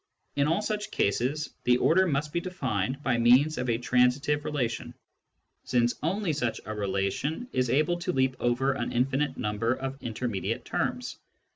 In all such cases the order must be defined by means of a transitive relation, since only such a relation is able to leap over an infinite number of intermediate terms.